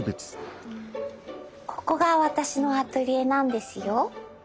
ここが私のアトリエなんですよ。